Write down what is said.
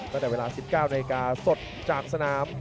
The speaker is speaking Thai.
ตั้งแต่เวลา๑๙นาฬิกาสดจากสนาม